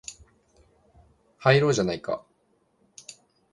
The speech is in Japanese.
入ろうじゃないか